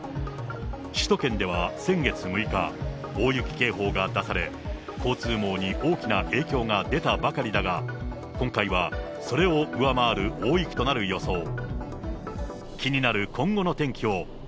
首都圏では先月６日、大雪警報が出され、交通網に大きな影響が出たばかりだが、今回はそれを上回る大雪となる予想。